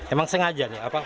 emang sengaja nih